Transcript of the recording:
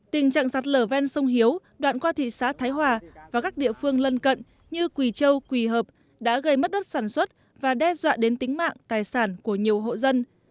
tình trạng sạt lở ven sông hiếu đoạn qua thị xã thái hòa và các địa phương lân cận như quỳ châu quỳ hợp đã gây mất đất sản xuất và đe dọa đến tính mạng tài sản của nhiều hộ dân